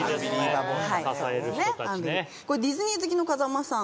ディズニー好きの風間さん。